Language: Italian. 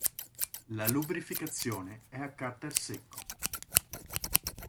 La lubrificazione è a carter secco.